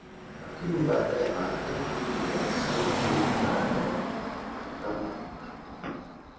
Lakini baadea mahakama ilimwachia huru baada ya kukosekana ushahidi